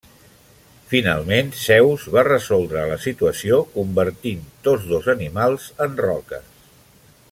Finalment Zeus va resoldre la situació convertint tots dos animals en roques.